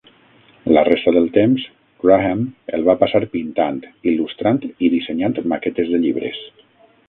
La resta del temps, Graham el va passar pintant, il·lustrant i dissenyant maquetes de llibres.